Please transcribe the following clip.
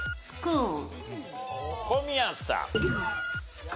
小宮さん。